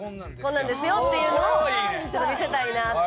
こんなんですよっていうのを見せたいなと。